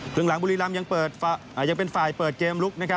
ครึ่งหลังบุรีลำยังเปิดเกมลุก